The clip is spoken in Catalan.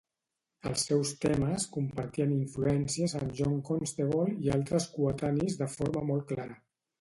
Els seus temes compartien influències amb John Constable i altres coetanis de forma molt clara.